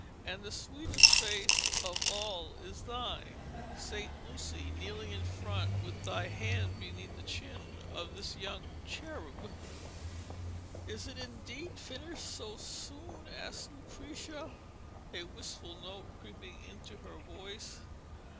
And the sweetest face of all is thine, Saint Lucy, kneeling in front with thy hand beneath the chin of this young cherub.' 'Is it indeed finished so soon?' asked Lucrezia, a wistful note creeping into her voice.